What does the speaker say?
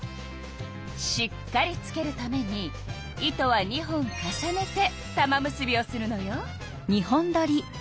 しっかりつけるために糸は２本重ねて玉結びをするのよ。